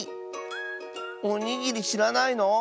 おにぎりしらないの？